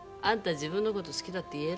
自分のこと好きだって言える？